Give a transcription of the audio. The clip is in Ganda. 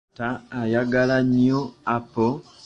Taata ayagala nnyo apo.